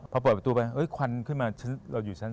พอเปิดประตูไปควันขึ้นมาเราอยู่ชั้น๒